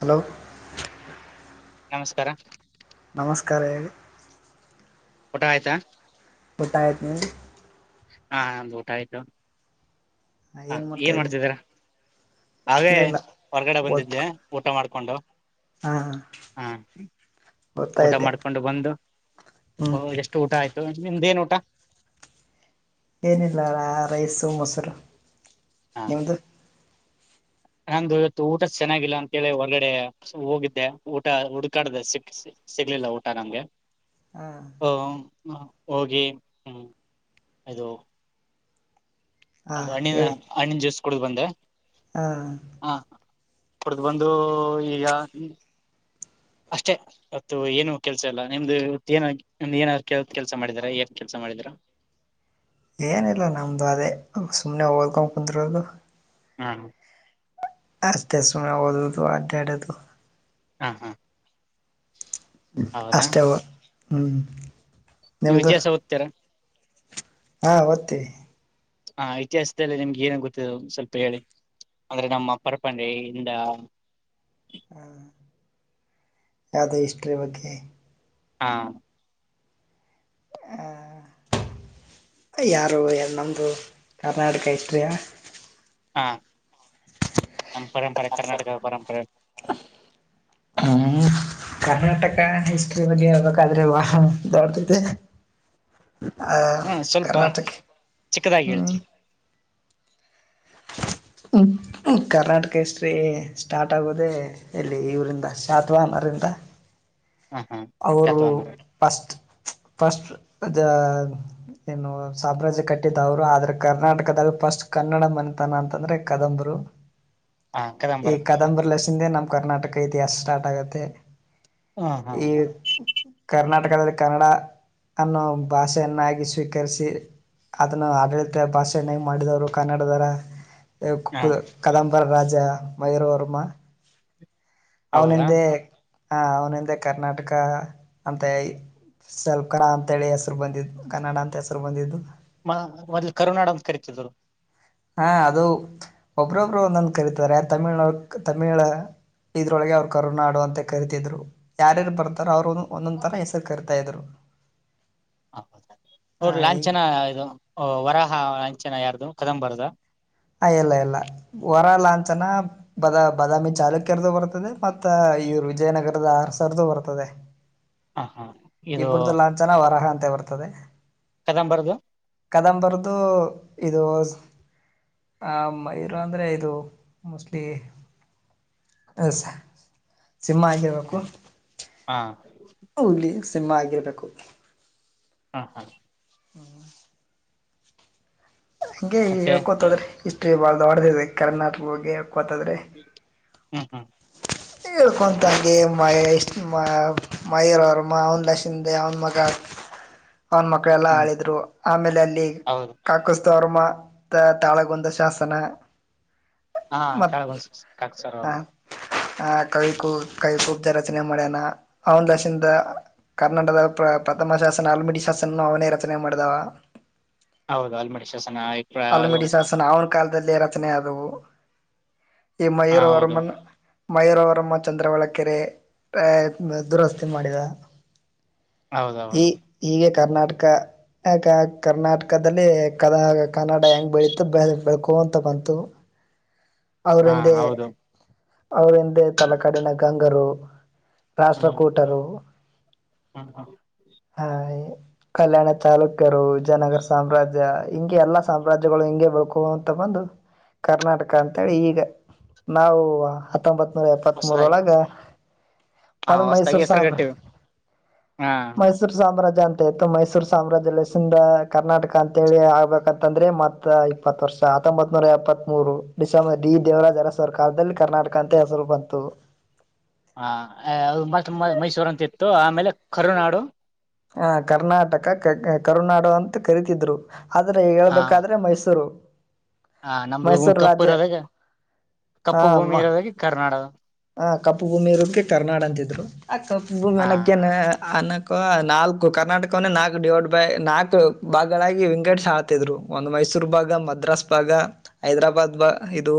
Hello ನಮಸ್ಕಾರ ನಮಸ್ಕಾರ ಹೇಳಿ. ಊಟ ಆಯ್ತಾ? ಊಟ ಆಯ್ತು ನಿಮ್ ಹಾ ನಮ್ದು ಊಟ ಆಯ್ತು. ಹ ಏನು ಏನ್ ಮಾಡ್ತಾಯಿದ್ರಿ ಮಾಡ್ತಿದೀರ ಹಾಗೇ ಏನಿಲ್ಲ ಹೊರಗಡೆ ಬಂದಿದ್ದೆ ವರ್ಕ್ ಊಟ ಮಾಡ್ ಕೊಂಡು ಹಾಂ ಹಾ ಓದ್ತಾ ಊಟ ಇದ್ದೆ ಮಾಡ್ಕೊಂಡು ಬಂದು ಹ್ಞೂ ಎಷ್ಟು ಊಟ ಆಯ್ತು ನಿಮ್ದೇನ್ ಊಟ? ಏನಿಲ್ಲಾರ ರೈಸು ಮೊಸರು. ಹ ನಿಮ್ದು ನಂದು ಇವತ್ತು ಊಟ ಚೆನ್ನಾಗಿಲ್ಲ ಅಂತೇಳಿ ಹೊರ್ಗಡೆ ಹೋಗಿದ್ದೆ ಊಟ ಹುಡ್ಕಾಡ್ದ ಸಿಕ್ ಸಿಗ್ಲಿಲ್ಲ ಊಟ ನಂಗೆ. ಹಾಂ ಹೊ ಹ ಹೋಗಿ ಹ್ಮ ಇದು ಅದು ಹಾಂ ಹಣ್ಣಿನ ಹಣ್ಣಿನ್ ಜ್ಯೂಸ್ ಕುಡುದ್ ಬಂದೆ ಹಾ ಕುಡ್ದು ಬಂದು ಈಗ ಅಷ್ಟೆ ಇವತ್ತು ಏನು ಕೆಲ್ಸ ಇಲ್ಲ ನಿಮ್ದು ಇವತ್ತು ಏನ ನಿಮ್ದ ಏನಾದ ಕೆ ಕೆಲ್ಸ ಮಾಡಿದರ ಏನ್ ಕೆಲ್ಸ ಮಾಡಿದಿರ? ಏನಿಲ್ಲ ನಮ್ದು ಅದೇ ಸುಮ್ನೆ ಓದ್ಕೊನ್ ಕುಂದ್ರೋದು. ಹ್ಮ ಆಷ್ಟೆ ಸುಮ್ನೆ ಓದೋದು ಅಡ್ಡಾಡೋಡು ಹ್ಮ ಹಾ ಹೌದಾ ಅಷ್ಟೇ ವ ಹ್ಮ್ ನೀವು ಇತಿಹಾಸ ಓದ್ತೀರಾ? ಹಾ ಓದ್ತೀವಿ ಹಾ ಇತಿಹಾಸದಲ್ಲಿ ನಿಮ್ಗೆ ಏನೆನ್ ಗೊತ್ತಿದೆ ಸ್ವಲ್ಪ ಹೇಳಿ ಅಂದ್ರೆ ನಮ್ಮ ಪರಪಂಡಿ ಇಂದ ಹಾ ಯಾವ್ದು ಹಿಸ್ಟರಿ ಬಗ್ಗೆ ಹಾ ಯಾರು ಎ ನಮ್ದು ಕರ್ನಾಟಕ ಹಿಸ್ಟರಿಯಾ? ಹಾ ನಮ್ ಪರಂಪರೆ ಕರ್ನಾಟಕ ಪರಂಪರೆ. ಹ್ಮ್ ಕರ್ನಾಟಕ ಹಿಸ್ಟ್ರಿ ಬಗ್ಗೆ ಹೇಳ್ಬೇಕಾದ್ರೆ ಬಾ ದೊಡ್ಡದಿದೆ. ಆ ಹ ಸ್ವಲ್ಪ ಕರ್ನಾಟಕೆ ಚಿಕ್ಕದಾಗಿ ಹೇಳಿ ಹ್ಮ್ ಕರ್ನಾಟಕ ಹಿಸ್ಟ್ರಿ ಸ್ಟಾರ್ಟ್ ಆಗೋದೇ ಎಲ್ಲಿ ಇವರಿಂದ ಶಾತ್ವಾಹನರಿಂದ ಹ ಹಾ ಅವ್ರು ಶತವನ್ನರು ಫಸ್ಟ್ ಫಸ್ಟ್ ದ ಏನು ಸಾಮ್ರಾಜ್ಯ ಕಟ್ಟಿದವ್ರು ಆದ್ರೆ ಕರ್ನಾಟಕದಲ್ ಫಸ್ಟ್ ಕನ್ನಡ ಮನೆತನ ಅಂತಂದ್ರೆ ಕದಂಬರು ಹ ಈ ಕದಂಬರು ಕದಂಬರ್ ಲೆಸೆನ್ ನಿ ಕರ್ನಾಟಕ ಇತಿಹಾಸ್ ಸ್ಟಾರ್ಟ್ ಆಗುತ್ತೆ ಹಾ ಹಾ ಕರ್ನಾಟಕದಲ್ಲಿ ಕನ್ನಡ ಅನ್ನೋ ಭಾಷೆಯನ್ನಾಗಿ ಸ್ವೀಕರಿಸಿ ಅದುನ್ನ ಆಡಳಿತ ಭಾಷೆಯನ್ನಾಗಿ ಮಾಡಿದವರು ಕನ್ನಡದೋರ ಏ ಹ ಕು ಕದಂಬರ ರಾಜ್ ಯ ಮಯೂರವರ್ಮ ಹೌದಾ ಅವ್ನಿಂದೆ ಹಾ ಅವ್ನ ಕರ್ನಾಟಕ ಅಂತ [unintelligible] ಅಂತೇಳಿ ಹೆಸ್ರು ಬಂದಿದು ಕನ್ನಡ ಅಂತ ಹೆಸ್ರು ಬಂದಿದ್ದು ಮ ಮೊದ್ಲು ಕರುನಾಡ ಅಂತ ಕರೀತಿದ್ರು ಹಾ ಅದು ಒಬ್ಬ್ರೊಬ್ರು ಒಂದೊಂದ್ ಕರಿತಾರೆ ತಮಿಳ್ನೋರ್ ತಮಿಳ ಇದ್ರೊಳಗೆ ಅವ್ರು ಕರುನಾಡು ಅಂತ ಕರಿತಿದ್ರು ಯಾರ್ಯಾರು ಬರ್ತಾರೋ ಅವ್ರು ಒಂದೊಂದ್ ತರ ಹೆಸ್ರು ಕರಿತಾ ಇದ್ರು ಹೌದು ಅವ್ರ್ ಲಾಂಛನ ಇದು ವರಹ ಚೆನ ಯಾರ್ದು ಕದಂಬರ್ಧ? ಹ ಇಲ್ಲ ಇಲ್ಲ ವರ ಲಾಂಛನ ಬದ ಬಾದಾಮಿ ಚಾಲುಕ್ಯರ್ದು ಬರ್ತದೆ ಮತ್ತ ಇವ್ರು ವಿಜಯನಗರದ ಆರ್ಸರ್ದು ಬರ್ತದೆ ಹ ಹಾ ಇದು ಇಬ್ಬರ್ದು ಲಾಂಚನ ವರಹ ಒಂದೇ ಬರ್ತದೇ ಕದಂಬರ್ದು? ಕದಂಬರ್ದು ಇದು ಆ ಮೈರು ಅಂದ್ರೆ ಇದು ಮೋಸ್ಟ್ಲಿ ಸ್ ಸಿಂಹ ಆಗಿರ್ಬೇಕು ಹ ಹಾ ಹುಲಿ ಸಿಂಹ ಆಗಿರ್ಬೇಕು ಹಾ ಹಾ ಹ್ಮ ಹಂಗೆ ಮತ್ತೆ ಹೇಳ್ಕೋತ ಹೋದ್ರೆ ಇಸ್ಟ್ರಿ ಬಾಳ್ ದೊಡ್ದಿದೆ ಕರ್ನಾಟಕದ್ ಬಗ್ಗೆ ಗೊತ್ತಾದ್ರೆ ಹ್ಮ ಹ್ಮ್ ಹೇಳ್ಕೊಂತಂಗೆ ಮಯ ಇಷ್ಟು ಮ ಮಯುರವರ್ಮ ಅವ್ನ್ [unintelligible] ಅವ್ನ್ ಮಗ ಅವ್ನ್ ಮಕ್ಳೆಲ್ಲಾ ಹ್ಮ್ ಆಳಿದ್ರು ಆಮೇಲೆ ಅಲ್ಲಿ ಹೌದು ಕಾಕ ದೊರ್ಮ ತಾಳಗುಂದ ಶಾಸನ ಹಾ ಮತ್ ಕಳ್ಗ [unintelligible] ಕವಿ ಕೂ ಕವಿ ಕುಬ್ಜ ರಚನೆ ಮಾಡ್ಯನ ಅವ್ನ್ ಲಶಿಂದ ಕರ್ನಾಟದ ಪ್ರ ಪ್ರಥಮ ಶಾಸನ ಆಲ್ಮಿಡಿ ಶಾಸನನು ಅವ್ನೇ ರಚನೆ ಮಾಡಿದವ ಹೌದು ಹಲ್ಮಿಡಿ ಅಲ್ಮಿಡಿ ಶಾಸನ ಅವ್ನ್ ಕಾಲ್ ದಲ್ಲೆ ರಚನೆ ಆದವು ಈ ಮಯೂರ ಹೌದು ವರ್ಮನ್ ಮಯೂರ ಅವರಮ್ಮ ಚಂದ್ರವಳಕೆರೆ, ದುರಸ್ತಿ ಮಾಡಿದ. ಈ ಹೌದೌದು ಹೀಗೆ ಕರ್ನಾಟಕ ಯಾಕ, ಕರ್ನಾಟಕದಲ್ಲಿ ಕದ ಕನ್ನಡ ಹೆಂಗೆ ಬೆಳೀತ, ಬೆಳಕು ಅಂತ ಬಂತು ಹಾ ಅವ್ರಂದೇ ಹೌದು ಅವ್ರಂದೆ ತಲಕಾಡಿನ ಗಂಗರು ಹ್ಮ್ ರಾಷ್ಟ್ರಕೂಟರು, ಹ್ಮ್ ಹ್ಮ್ ಹಾ ಕಲ್ಯಾಣ ತಾಲೂಕು ರು, ಜನಗರ ಸಾಮ್ರಾಜ್ಯ ಹಿಂಗೆ ಎಲ್ಲ ಸಾಮ್ರಾಜ್ಯಗಳು ಹಂಗೆ ಬೇಕು ಅಂತ ಬಂದು, ಕರ್ನಾಟಕ ಅಂತೇಳಿ ಈಗ ನಾವು ಹ ಹತ್ತೊಂಬತ್ ನೂರ, ಎಪ್ಪತ್ ಹೊಸದಾಗಿ ಮೂರೊಳಗ ಹಾ ಅದು ಹೊಸದಾಗಿ ಮೈಸೂರು ಹೆಸರು ಸಾಮ್ರ, ಕಟ್ಟಿವಿ ಹಾ ಮೈಸೂರು ಸಾಮ್ರಾಜ್ಯ ಅಂತ ಇತ್ತು, ಮೈಸೂರು ಸಾಮ್ರಾಜ್ಯದ ಹೆಸರಿಂದ ಕರ್ನಾಟಕ ಅಂತ ಹೇಳಿ ಆಗ್ಬೇಕ ಂತಂದ್ರೆ ಮತ್ತ ಇಪ್ಪತ್ ವರ್ಷ. ಹತ್ತೊಂಬತ್ ನೂರ ಎಪ್ಪತ್ತ್ ಮೂರು, ಡಿಸೆಂಬರ್, ಡಿ ದೇವರಾಜ ಅರಸ್ ಸರ್ಕಾರದಲ್ಲಿ ಕರ್ನಾಟಕ ಅಂತ ಹೆಸರು ಬಂತು. ಹಾ, ಅದು ಮತ್ತ ಮೈಸೂರ ಅಂತ ಇತ್ತು ಆಮೇಲೆ ಕರುನಾಡು ಹ ಕರ್ನಾಟಕ, ಕರುನಾಡು ಅಂತ ಕರಿತಿದ್ರು ಆದರೆ ಹೇಳ್ಬೇಕಾದ್ರೆ ಮೈಸೂರು. ಹ ನಮ್ದು ಮೈಸೂರು ಕಪ್ಪು ರಾಜ್ಯ ಇರೋದಾಗ, ಕಪ್ಪು ಭೂಮಿ ಇರೋದಾಗ ಕರ್ನಾಡ ಹಾಂ ಕಪ್ಪು ಭೂಮಿ ಇರೋದಕ್ಕೆ ಕರುನಾಡ್ ಅಂತಿದ್ರು. ಅಕ್ಕ ಹಾ [unintelligible] ಅನಕ, ನಾಲ್ಕು, ಕರ್ನಾಟಕವನ್ನೇ ನಾಲ್ಕು ಡಿವೈಡ್ ಬೈ, ನಾಲ್ಕು ಭಾಗಗಳಾಗಿ ವಿಂಗಡಿಸಿ ಹಾಕಿದ್ರು. ಒಂದು ಮೈಸೂರು ಭಾಗ, ಮದ್ರಾಸ್ ಭಾಗ, ಹೈದ್ರಾಬಾದ್ ಇದು,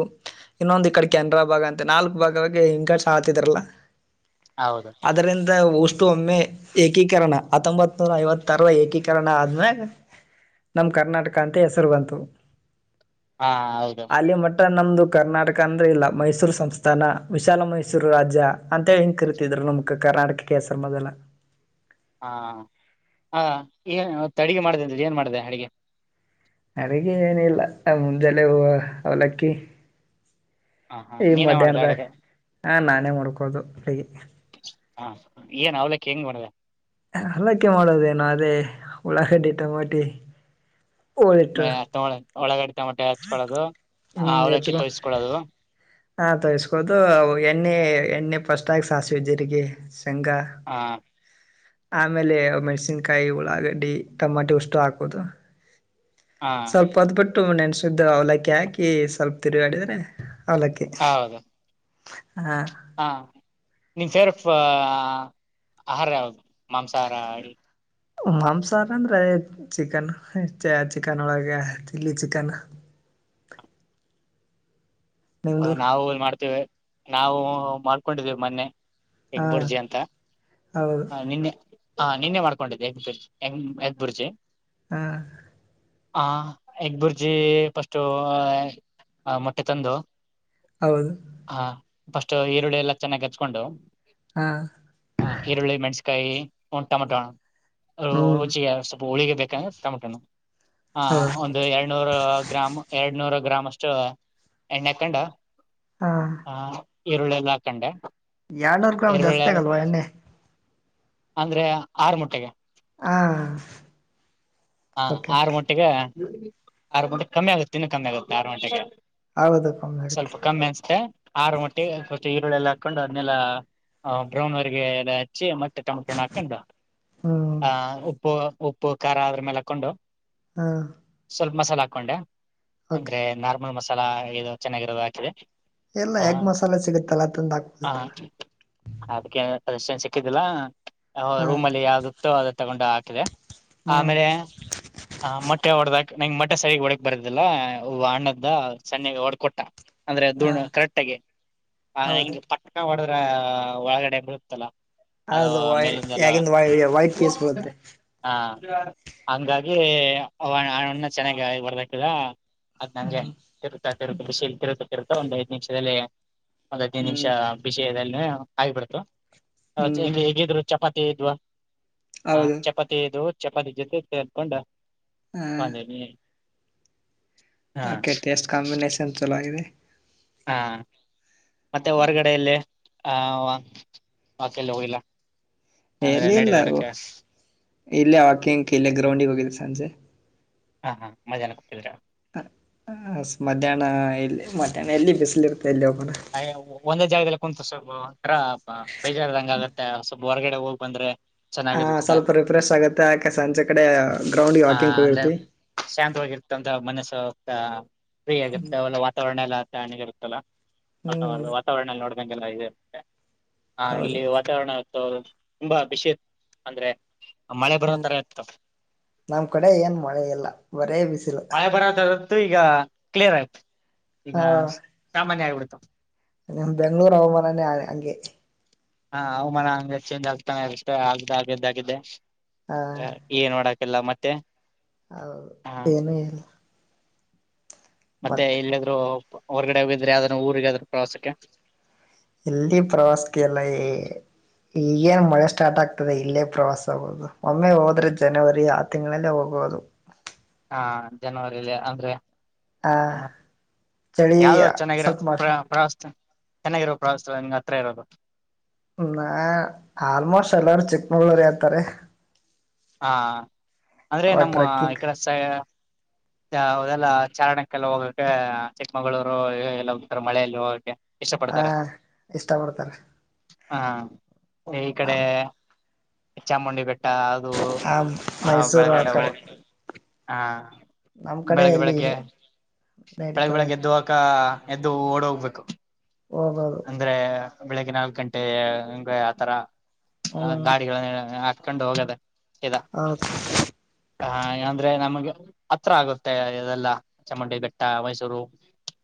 ಇನ್ನೊಂದು ಕಡೆ ಕೆನರಾ ಭಾಗ ಅಂತ ನಾಲ್ಕು ಭಾಗ [unintelligible] ಹೌದು ಉಸ್ತು, ಒಮ್ಮೆ ಏಕೀಕರಣ, ಹತ್ತೊಂಬತ್ ನೂರ ಐವತ್ತಾರರ ಏಕೀಕರಣ ಆದ್ಮ್ಯಾಗ, ನಮ ಕರ್ನಾಟಕ ಅಂತ ಹೆಸರು ಬಂತು. ಹಾ ಹೌದು ಅಲ್ಲಿ ಮಟ್ಟ ನಮ್ದು ಕರ್ನಾಟಕ ಅಂದರೆೆ ಇಲ್ಲ, ಮೈಸೂರು ಸಂಸ್ಥಾನ ವಿಶಾಲ ಮೈಸೂರು ರಾಜ್ಯ ಅಂತ ಹಿಂಗ ಕರಿತಿದ್ರು ನಮ್ಗೆ ಕರ್ನಾಟಕಕ್ಕೆ ಹೆಸರು ಮೊದಲೆಲ್ಲ ಹಾ ಹ ಇವತ್ತು ಅಡಗೆ ಮಾಡ್ದ ಅಂದ್ಯಲ್ಲ ಏನ್ ಮಾಡಿದೆ ಅಡಗೆ? ಅಡುಗೆ ಏನ ಇಲ್ಲ, ಮುಂಜಲ್ಲೆ ಅವಲಕ್ಕಿ ಹ ಹಾ ಈ ನೀನೇ ಮಾಡ್ದ ಮಧ್ಯಾಹ್ನದಾಗ. ಅಡಗೆ ಹಾ ನಾ ಮನೆ ಮಾಡ್ಕೋದು ಹೇಗೆ? ಹಾ ಏನ್ ಅವಲಕ್ಕಿ ಹೆಂಗ್ ಮಾಡಿದೆ? ಅವಲಕ್ಕಿ ಮಾಡೋದೇನು [unintelligible] ಮ ಹೋಳಿಟ್ಟು [unintelligible] ಒಳಗ್ ಟೊಮೊಟೆ ಹಚ್ಕೊಳ್ಳೋದು ಆ ಹ್ಮ್ ಅವ್ಲಕ್ಕಿ ಹೆಚ್ಕೊ ತೋಯ್ಸ್ಕೊಳ್ಳೋದು ಹಾ ತೋಯ್ಸ್ಕೋದು ಎಣ್ಣೆ ಎಣ್ಣೆ ಫಸ್ಟ್ಗಗ್ ಸಾಸ್ವೇ ಜೀರ್ಗೆ ಹೆಂಗ ಹ ಆಮೇಲೆ ಮೆಣಸಿನ್ಕಾಯಿ ಉಳ್ಳಾಗಡ್ಡಿ ಟಮೋಟೋ ಇಷ್ಟು ಹಾಕೋದು ಹ ಸ್ವಲ್ಪ ಹೊತ್ ಹು ನೆಣಸುದ್ದು ಅವ್ಲಕ್ಕಿ ಹಾಕಿ ಸ್ವಲ್ಪ ತಿರುಗಾಡಿದ್ರೆ ಅವ್ಲಕ್ಕಿ ಹೌದು ಹಾ ಹ ನಿಮ್ [unintelligible] ಆಹಾರ ಯಾವ್ದು ಮಾಂಸಾಹಾರ ಮಾಂಸಾಹಾರ ಅಂದ್ರೆ ಚಿಕನ್ ಚಿಕನ್ ಒಳಗ ಚಿಲ್ಲಿ ಚಿಕನ್ ನಿಮ್ದು ನಾವು ಮಾಡ್ತೇವೆ ನಾವು ಮಾಡ್ಕೊಂಡಿದಿವ್ ಮನ್ನೆ ಹಾ ಹೆಗ್ಬುರ್ಜಿ ಅಂತ ಹೌದು ಹ ನಿನ್ನೆ ಹಾ ನಿನ್ನೆ ಮಾಡ್ಕೊಂಡಿದ್ದೆ ಎಗ್ ಎಗ್ಬುರ್ಜಿ ಹಾ ಹ ಎಗ್ಬುರ್ಜಿ ಫಸ್ಟು ಆ ಮೊಟ್ಟೆ ತಂದು ಹೌದು ಫಸ್ಟು ಈರುಳ್ಳಿ ಎಲ್ಲ ಚೆನ್ನಾಗಿ ಅಚ್ಕೊಂಡು ಹಾ ಹ ಈರುಳ್ಳಿ ಮೆ- ಕೈಯಿ ಒನ್ ಟೊಮೊಟೊ ಊ ಹ್ಮ್ [unintelligible] ಉಳಿಗೆ ಬೇಕಂದ್ರೆ [unintelligible] ಹಾ ಹೌದು ಒಂದು ಎರಡ್ನೂರ ಗ್ರಾಮ್ ಎಡ್ನೂರ್ ಗ್ರಾಮಷ್ಟು ಎಣ್ ಕೇಂಡು ಹಾ ಈರುಳ್ಳೆಲ್ಲ ಹಾಕಂಡೆ ಎರಡ್ನೂರ್ ಗ್ರಾಮ್ ಈರುಳ್ಳಿ ಜಾಸ್ತಿ ಆಗಲ್ವಾ ಎಣ್ಣೆ ಅಂದ್ರೆ ಆರ್ ಮೊಟ್ಟೆಗೆ ಆ ಹಾ ಆರು ಮೊಟ್ಟೆಗೆ ಆರು ಮೊಟ್ಟೆಗೆ ಕಮ್ಮಿ ಆಗುತ್ತೆ ಇನ್ನು ಕಮ್ಮಿ ಆಗುತ್ತೆ ಆರು ಮೊಟ್ಟೆಗೆ ಹೌದು ಕಮ್ಮಿ ಆಗುತ್ತೆ ಸ್ವಲ್ಪ ಕಮ್ಮಿ ಅನ್ಸ್ತೇ ಆರು ಮೊಟ್ಟಿಗೆ ಈರುಳ್ಳಿ ಎಲ್ಲ ಹಾಕೊಂಡು, ಅದನ್ನೆಲ್ಲ ಬ್ರೌನ್ ವರೆಗೆ ಎಲ್ಲ ಹಚ್ಚಿ, ಮತ್ತೆ ಟೊಮ್ಯಾಟೋ ನ ಹಾಕೊಂಡು, ಹ್ಮ್ ಆ ಉಪ್ಪು ಉಪ್ಪು ಖಾರ ಅದ್ರ ಮೇಲೆ ಕೊಂಡು ಹಾ ಸ್ವಲ್ಪ ಮಸಾಲೆ ಹಾಕೊಂಡೆ ಓಕೆ ಅಂದ್ರೆ ನಾರ್ಮಲ್ ಮಸಾಲ ಸಾಲ, ಇದು ಚೆನ್ನಾಗಿರೋದು ಹಾಕಿದೆ ಎಲ್ಲ ಎಗ್ ಮಸಾಲೆ ಸಿಗುತ್ತಲ್ಲ, ತಂದ ಹಾಕ್ಬೋ [unintelligible] ಅದಷ್ಟನ್ ಸಿಕ್ಕಿದ್ದಿಲ್ಲ ರೂಮ್ ಅಲ್ಲಿ ಯಾವ್ದಿತ್ತೋ ಅದೇ ತಗೊಂಡು ಹ ದೆ ಹ್ಮ್ ಹ, ಮೊಟ್ಟೆ ಹೊಡ್ದಕ್. ನಂಗೆ ಮೊಟ್ಟೆ ಸರಿಗ್ ಹೊಡಿಯಾಕ್ ಬರದಿಲ್ಲ, ಹ ಅಣ್ಣ ಇದ್ದ, ಸಣ್ಣಗೆ ಹೊಡ್ಕೊಟ್ಟ. ಅಂದ್ರೆ ಹಾ ಅದನ್ನ ಕರೆಕ್ಟಾಗೆ, ಹೌದು ಹಿಂಗೆ [unintelligible] ಹೊಡುದ್ರೆ ಒಳಗಡೆ ಬರುತ್ತಲ್ಲ ಹೌದು, ಎಗ್ಗಿಂದು ವೈಟ್ ಕೇಸ್ ಬರುತ್ತೆ. [unintelligible] ಹಂಗಾಗಿ ಆ ಅಣ್ಣ ಚೆನ್ನಾಗಿ ಹೊಡೆದಾಕಿದ್ರ ಅದ್ನಂಗೆ ಹ್ಮ್ ತಿರುತ್ತಾ ತಿರುಗ್ತ ಬಿಸಿಲ್ ತಿರುಗ್ತ ಇರ್ತದ್ ಒಂದ್ ಐದು ನಿಮಿಷದಲ್ಲಿ. ಒಂದ್ ಹದಿನೈದು ನಿಮಿಷ ಹ್ಮ್ ಬಿಸಿಯಲ್ಲಿ [unintelligible] ಬಿಡ್ತು ಹ್ಮ್ [unintelligible] ಹೇಗಿದ್ರು ಚಪಾತಿ ಇದ್ವಾ? ಹಾ ಹೌದು ಚಪಾತಿ ಇದು ಚಪಾತಿ ಜತೆ ಸೇರ್ಕೊಂಡು ಹ [unintelligible] ಅಕೆ ಟೇಸ್ಟ್ ಕಾಂಬಿನೇೇಶನ್ ಚಲೋ ಆಗದೆ. ಹಾ ಮತ್ತೆ ಹ್ಮ್ ಹೊರಗಡೆ ಎಲ್ಲಿ? ಹ [unintelligible] ಹೋಗಿಲ್ಲ ಅಂದ್ರೆ ಎಲ್ಲಿ ಇಲ್ಲ. ನಡೆದಾಡಕ್ಕೆ ಇಲ್ಲೇ ಹಾಕಿಂಗ್ ಇಲ್ಲೆ ಗ್ರೌಂಡಿಗೆ ಹೋಗಿದ್ದೆ ಸಂಜೆ. ಹಾ ಹಾ ಮಧ್ಯಾನ [unintelligible] ಮಧ್ಯಾಹ್ನ ಎಲ್ಲಿ ಮಧ್ಯಾಹ್ನ ಎಲ್ಲಿ ಬಿಸಿಲ ಇರ್ತ ಅ ಒಂದೇ ಜಾಗದಲ್ಲಿ ಕುಂತ ಸ್ವಲ ಒಂದ ತರ ಬೇಜಾರ ಆದಂಗ ಆಗತ್ತೆ ಒಂದ ಸ್ವಲ್ಪ ಹೊರಗಡೆ ಹೋಗ್ ಬಂದ್ರೆ ಹ ಚೆನ್ನಾಗಿರುತ್ತೆ ಸ್ವಲ್ಪ ರಿಫ್ರೆಶ್ ಆಗುತ್ತೆ ಆಕ ಸಂಜೆ ಕಡೆ ಗ್ರೌಂಡ್ಗೆ ಆ ವಾಕಿಂಗ್ ಅಂದ್ರೆ ಹೋಗಿರ್ತಿ ಶಾಂತವಾಗಿರ್ತಂತ ಮನಸ್ಸು ಪ ಫ್ರೀ ಆಗತ್ತೆ ಅವಲ್ಲ ವಾತಾವರಣ ಎಲ್ಲ ತಣ್ಣಗ ಇರುತ್ತಲ್ಲಾ ಹ್ಮ್ ಹೌದು ವಾತಾವರಣ ನೋಡಿದಂಗ ಎಲ್ಲಾ ಇದೆ ಹಾ ಹೌದು ಇಲ್ಲಿ ವಾತಾವರಣ ತುಂಬಾ ಬಿಸಿ ಇರತ್ತ ಅಂದ್ರೆ ಮಳೆ ಬರೋ ಹ್ಮ್ ತರ ಇತ್ತು ನಮ್ ಕಡೆ ಏನ್ ಮಳೆ ಇಲ್ಲ ಬರೇ ಬಿಸಿಲು ಇತ್ತು ಈಗ ಕ್ಲಿಯರ್ ಆಯ್ತು ಈಗ ಸಾಮಾನ್ಯ ಆಗ್ಬಡತ್ತೆ ನಿಮ್ಮ ಬೆಂಗ್ಳೂರು ಹವಮಾನಾನೆ ಹಂಗೆ ಹಾ ಹವಾಮಾನ ಹಂಗ ಚೇಂಜ್ ಆಗ್ತಾನೆ ಇರತ್ತೆ ಆಗ್ದ ಆಗಿದ್ದಾಗಿದ್ದೆ ಹ ಏನ್ ಮಾಡಕ್ಕ ಎಲ್ಲ ಮತ್ತೆ ಹೌದು ಹ ಏನು ಇಲ್ಲ ಮತ್ತೆ ಎಲ್ಲಾದ್ರೂ ಹೊರ್ಗಡೆ ಹೋಗಿದ್ರೆ ಯಾವುದನ್ನು ಊರಿಗೆ ಅದ್ರೂ ಪ್ರವಾಸಕ್ಕೆ ಇಲ್ಲಿ ಪ್ರವಾಸಕ್ಕೆ ಎಲ್ಲ ಈಗೇನ್ ಮಳೆ ಸ್ಟಾರ್ಟ್ ಆಗ್ತದೆ ಇಲ್ಲೇ ಪ್ರವಾಸ ಆಗೋದು ಒಮ್ಮೆ ಹೋದ್ರೆ ಜನವರಿ ಆ ತಿಂಗಳಲ್ಲೇ ಹೋಗೋುದು ಹಾ ಜನವರಿಲಿ ಅಂದ್ರೆ ಆ ಹ ಚಳಿ ಯಾವ್ದ ಚೆನ್ನಾಗಿರ ಸ್ವಲ್ಪ ಮ ಪ್ರ ಪ್ರವಾಸ ಚೆನ್ನಾಗಿರೋ ಪ್ರವಾಸ ನಿಂಗ ಹತ್ರ ಇರೋದು ನಾ ಆಲ್ಮೋಸ್ಟ್ ಎಲ್ಲರುೂ ಚಿಕ್ಮಂಗ್ಳೂರ್ ಅನ್ನತಾರೆ ಹಾ ಅಂದ್ರೆ ನಮ್ಮ ಈ ಟ್ರೆಕ್ಕಿಂಗ್ ಕಡೆ ಸೈ ಹ ಅದೆಲ್ಲ ಚಾರಣಕ್ಕೆಲ್ಲ ಹೋಗಕ್ಕೆ ಚಿಕ್ಕಮಗಳೂರು ಎಲ್ಲ ಹೋಗ್ತಾರೆ ಮಳೆಯಲ್ಲಿ ಹೋಗಕ್ಕೆ ಇಷ್ಟ ಪಡ್ತಾರೆ ಹ ಇಷ್ಟ ಪಡ್ತಾರ ಹಾ ಇ ಕಡೆ ಚಾಮುಂಡಿ ಬೆಟ್ಟ, ಅದು ಹ ಮೈಸೂರು ಆಕಡೆ ಹಾ ನಮ್ ಕಡೆ ಎಲ್ಲಿ ಇದೆ ಬೆಳಗ್ ಬೆಳಗ್ ಎದ್ದೋಗಾಕ್ಕ ಎದ್ದು ಓಡೋಗ್ಗ್ಬೇಕು ಹೋಗೋದು ಅಂದ್ರೆ ಬೆಳಿಗ್ಗೆ ನಾಲ್ಕ್ ಗಂಟೆ ಅಂದ್ರೆ ಆತರ ಹ ಗಾಡಿಗಳ ಕಂಡು ಹೋಗೋದ [unintelligible] ಹ ಹಏಂದ್ರೆ ನಮ್ಗೆ ಹತ್ರ ಆಗುತ್ತೆ ಇದೆಲ್ಲ ಚಾಮುಂಡಿ ಬೆಟ್ಟ ಮೈಸೂರು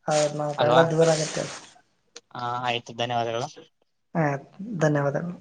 ಹೌದ ನಮಕ್ [unintelligible] ಎಲ್ಲ ದೂರ ಆಗತ್ತೆ ಹಾ ಆಯ್ತು ಧನ್ಯವಾದಗಳು ಹಾ ಧನ್ಯವಾದಗಳು